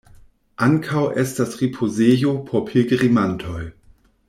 Ankaŭ estas ripozejo por pilgrimantoj.